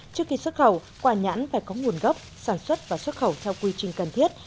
trước khi xuất khẩu quả nhãn phải có nguồn gốc sản xuất và xuất khẩu theo quy trình cần thiết